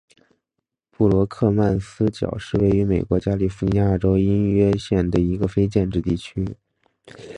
布罗克曼斯角是位于美国加利福尼亚州因约县的一个非建制地区。